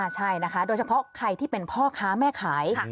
ใช่นะคะโดยเฉพาะใครที่เป็นพ่อค้าแม่ขาย